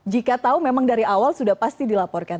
jika tahu memang dari awal sudah pasti dilaporkan